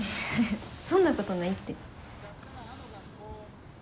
そんなことないって。